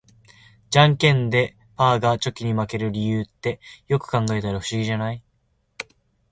ジャンケンでパーがチョキに負ける理由って、よく考えたら不思議じゃない？